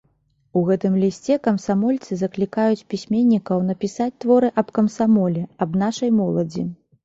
У гэтым лісце камсамольцы заклікаюць пісьменнікаў напісаць творы аб камсамоле, аб нашай моладзі.